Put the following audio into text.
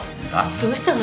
どうしたの？